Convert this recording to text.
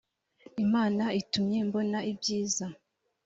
imana itumye mbona ibyiza